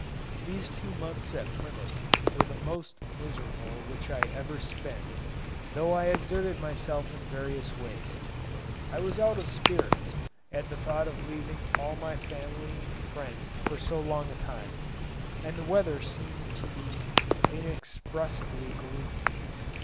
These two months at Plymouth were the most miserable which I ever spent, though I exerted myself in various ways. I was out of spirits at the thought of leaving all my family and friends for so long a time, and the weather seemed to me inexpressibly gloomy.